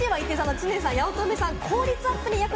知念さんと八乙女さんです。